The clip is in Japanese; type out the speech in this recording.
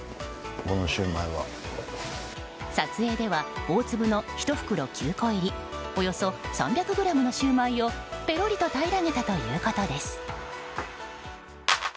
撮影では大粒の１袋９個入りおよそ３００ｇのシューマイをぺろりと平らげたということです。